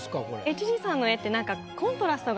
ＨＧさんの絵ってなんか。